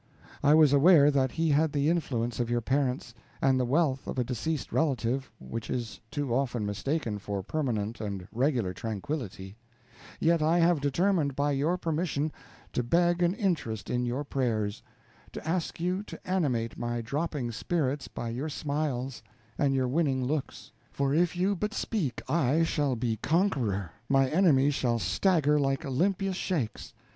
I was aware that he had the influence of your parents, and the wealth of a deceased relative, which is too often mistaken for permanent and regular tranquillity; yet I have determined by your permission to beg an interest in your prayers to ask you to animate my drooping spirits by your smiles and your winning looks; for if you but speak I shall be conqueror, my enemies shall stagger like Olympus shakes.